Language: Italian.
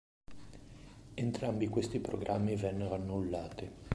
Entrambi questi programmi vennero annullati.